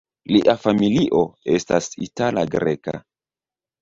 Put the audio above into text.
Lia familio estas itala-greka.